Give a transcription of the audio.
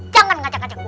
jangan ngajak ngajak gue